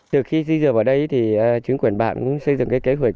từ khi di dựa vào đây thì chính quyền bạn xây dựng cái kế hoạch